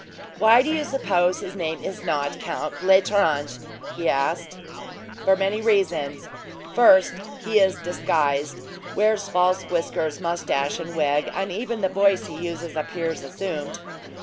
"Why do you suppose his name is not Count L'Estrange?" he asked. "For many reasons. First he is disguised; wears false whiskers, moustache, and wig, and even the voice he uses appears assumed.